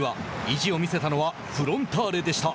意地を見せたのはフロンターレでした。